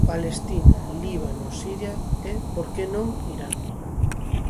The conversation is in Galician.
Palestina, Líbano, Siria... e, por que non, Irán?